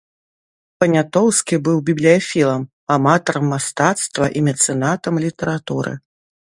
Панятоўскі быў бібліяфілам, аматарам мастацтва і мецэнатам літаратуры.